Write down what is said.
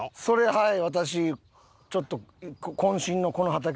はい。